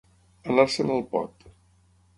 Anar-se'n al pot.